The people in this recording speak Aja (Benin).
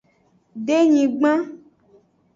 Denyigban.